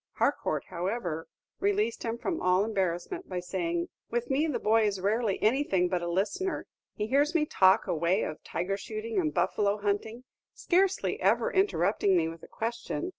Harcourt, however, released him from all embarrassment by saying, "With me the boy is rarely anything but a listener; he hears me talk away of tiger shooting and buffalo hunting, scarcely ever interrupting me with a question.